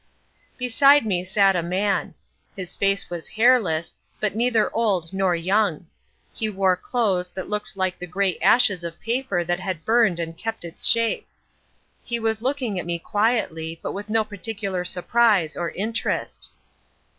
Beside me sat a man. His face was hairless, but neither old nor young. He wore clothes that looked like the grey ashes of paper that had burned and kept its shape. He was looking at me quietly, but with no particular surprise or interest.